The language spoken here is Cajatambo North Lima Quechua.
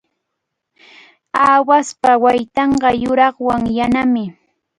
Aawaspa waytanqa yuraqwan yanami.